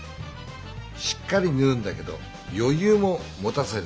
しっかりぬうんだけどよゆうも持たせる。